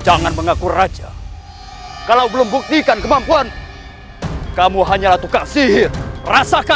jangan mengaku raja kalau belum buktikan kemampuan kamu hanyalah tukang sihir rasakan